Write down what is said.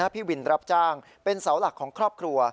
พี่วินรับจ้างเป็นเสาหลักของครอบครัว